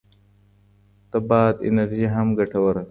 د باد انرژي هم ګټوره ده.